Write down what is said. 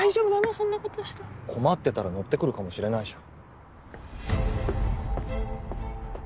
そんなことして困ってたら乗ってくるかもしれないじゃん